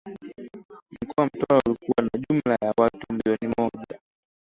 Mkoa wa Mtwara ulikuwa na jumla ya watu millioni moja